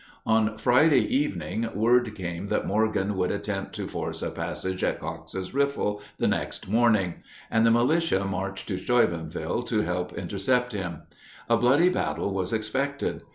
On Friday evening word came that Morgan would attempt to force a passage at Coxe's Riffle the next morning, and the militia marched to Steubenville to help intercept him. A bloody battle was expected.